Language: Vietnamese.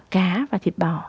cá và thịt bò